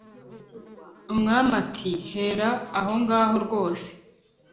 umwami ati"hera ahongaho rwose"